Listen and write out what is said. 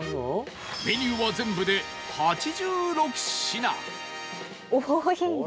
メニューは全部で８６品